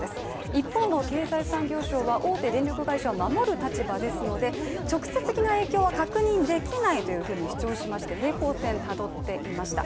一方の経済産業省は大手電力会社を名乗る立場ですので直接的な影響は確認できないと主張しまして平行線をたどっていました。